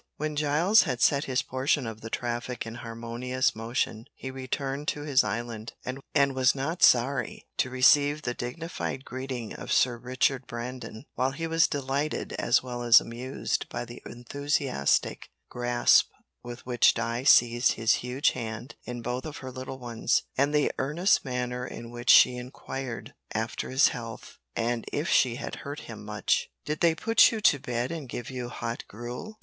When Giles had set his portion of the traffic in harmonious motion he returned to his island, and was not sorry to receive the dignified greeting of Sir Richard Brandon, while he was delighted as well as amused by the enthusiastic grasp with which Di seized his huge hand in both of her little ones, and the earnest manner in which she inquired after his health, and if she had hurt him much. "Did they put you to bed and give you hot gruel?"